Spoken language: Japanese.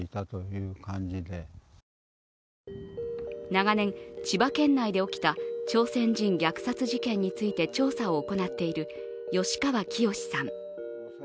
長年、千葉県内で起きた朝鮮人虐殺事件について調査を行っている吉川清さん。